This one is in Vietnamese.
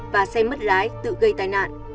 và xe mất lái tự gây tai nạn